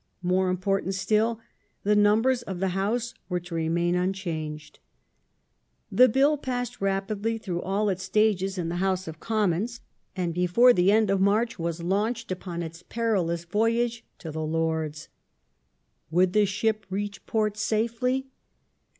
More important still, the numbers of the House were to remain unchanged. The Bill passed rapidly through all its stages in the House of Commons, and before the end of March was launched upon its perilous voyage in the Lords. Would the ship reach poi t safely